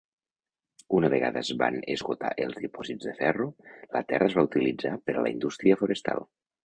Una vegada es van esgotar els dipòsits de ferro, la terra es va utilitzar per a la indústria forestal.